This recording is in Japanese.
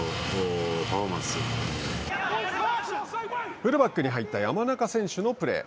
フルバックに入った山中選手のプレー。